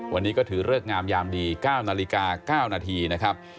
วันนี้ก็ถือเลิกงามยามดี๙นาฬิกา๙นาทีนะครับ